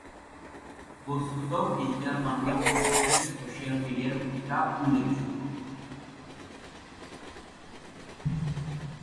বস্তুত, ডিজিটাল মানবিক প্রচেষ্টায় সোশ্যাল মিডিয়ার ভূমিকা উল্লেখযোগ্য।